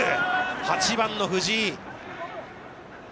８番の藤井。